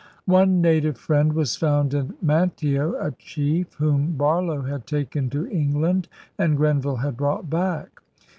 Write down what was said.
One native friend was found in Manteo, a chief whom Barlow had taken to England and Grenville had brought back.